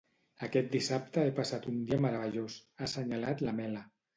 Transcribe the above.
"Aquest dissabte he passat un dia meravellós", ha assenyalat l'Amela.